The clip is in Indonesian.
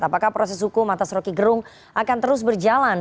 apakah proses hukum atas rokigerung akan terus berjalan